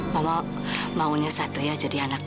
mama maunya satria jadi bayi